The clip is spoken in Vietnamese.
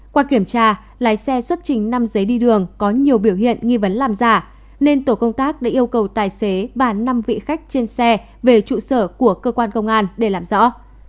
qua kiểm tra lái xe xuất trình năm giấy đi đường có nhiều biểu hiện nghi vấn làm giả nên tổ công tác đã yêu cầu tài xế và năm vị khách trên xe về trụ sở của cơ quan công an để làm rõ